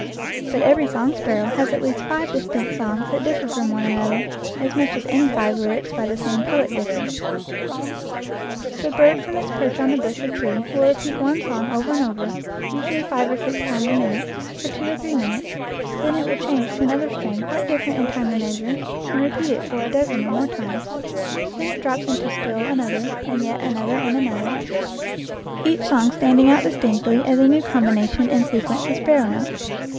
But every song sparrow has at least five distinct songs that differ from one another as much as any five lyrics by the same poet differ. The bird from its perch on the bush or tree will repeat one song over and over, usually five or six times a minute, for two or three minutes, then it will change to another strain quite different in time and measure, and re peat it for a dozen or more times; then it drops into still another and yet another and another, each EACH AFTER ITS KIND song standing out distinctly as a new combination and sequence of sparrow notes.